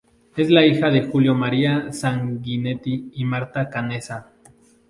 Es hija de Julio María Sanguinetti y Marta Canessa.